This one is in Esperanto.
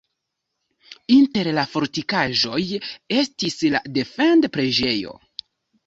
Inter la fortikaĵoj estis la defend-preĝejo.